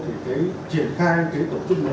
để triển khai tổ chức mới